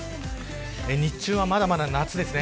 日中はまだまだ夏です。